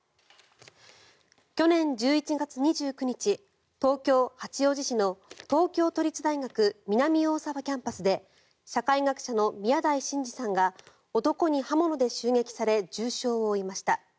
去年１１月２９日東京・八王子市の東京都立大学南大沢キャンパスで社会学者の宮台真司さんが男に刃物で襲撃され重傷を負いました。